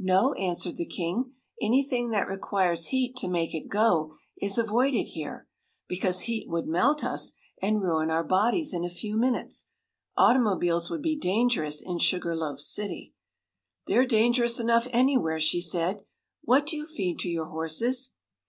"No," answered the king. "Anything that requires heat to make it go is avoided here, because heat would melt us and ruin our bodies in a few minutes. Automobiles would be dangerous in Sugar Loaf City." "They're dangerous enough anywhere," she said. "What do you feed to your horses?"